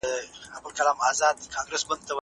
زه به لیکل کړي وي